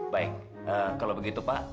baik kalau begitu pak